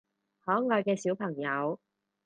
可愛嘅小朋友